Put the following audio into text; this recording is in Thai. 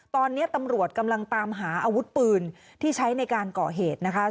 ตอนนี้ตำรวจกำลังตามหาอาวุธปืนที่ใช้ในการก่อเหตุนะคะ